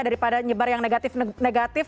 daripada nyebar yang negatif negatif